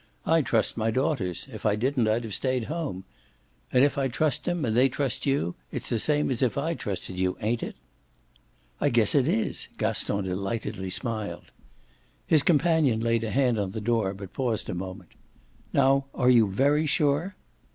I trust my daughters; if I didn't I'd have stayed at home. And if I trust them, and they trust you, it's the same as if I trusted you, ain't it?" "I guess it is!" Gaston delightedly smiled. His companion laid a hand on the door, but paused a moment. "Now are you very sure?"